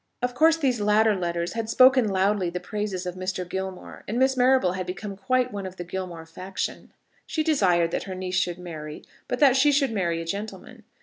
Of course these latter letters had spoken loudly the praises of Mr. Gilmore, and Miss Marrable had become quite one of the Gilmore faction. She desired that her niece should marry; but that she should marry a gentleman.